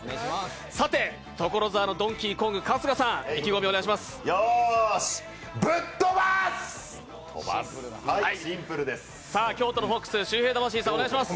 さて、所沢のドンキーコング・春日さん、意気込みをお願いします。